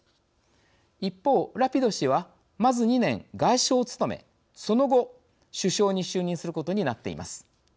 一方、ラピド氏はまず２年、外相を務めその後、首相に就任することになっています。